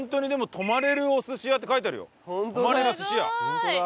「泊まれる寿司屋」